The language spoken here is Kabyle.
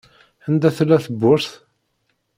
Anda tella tewwurt?